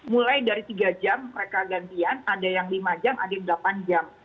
mulai dari tiga jam mereka gantian ada yang lima jam ada yang delapan jam